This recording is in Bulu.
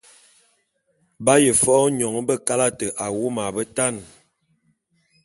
B’aye fe nyoň bekabat awom a betan.